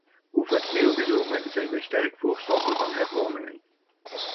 Over het geheel genomen zijn wij sterk voorstander van hervormingen.